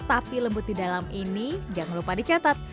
tapi lembut di dalam ini jangan lupa dicatat